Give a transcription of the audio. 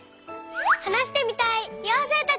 はなしてみたいようせいたち！